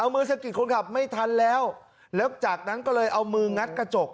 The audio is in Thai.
มือสะกิดคนขับไม่ทันแล้วแล้วจากนั้นก็เลยเอามืองัดกระจก